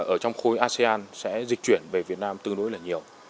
ở trong khối asean sẽ dịch chuyển về việt nam tương đối là nhiều